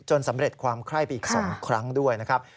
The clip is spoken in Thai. สำเร็จความไคร้ไปอีก๒ครั้งด้วยนะครับ